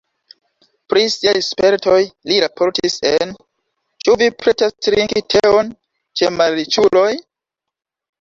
Pri siaj spertoj li raportis en "Ĉu vi pretas trinki teon ĉe malriĉuloj?".